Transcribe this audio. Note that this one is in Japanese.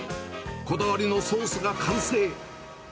こだわりのソースが完成。